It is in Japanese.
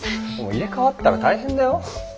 入れ代わったら大変だよ。